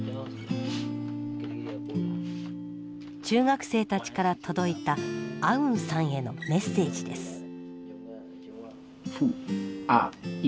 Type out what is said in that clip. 中学生たちから届いたアウンさんへのメッセージです。